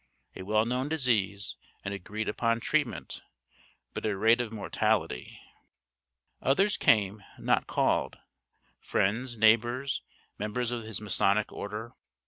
A well known disease, an agreed upon treatment but a rate of mortality. Others came, not called: friends, neighbors, members of his Masonic order.